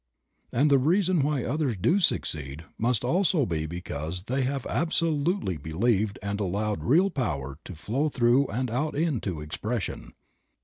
And the reason why others do succeed must also be because they have absolutely believed and allowed real power to flow through and out into expression.